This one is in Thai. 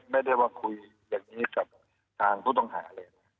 ไม่ได้ว่าคุยอย่างนี้กับทางผู้ต้องหาเลย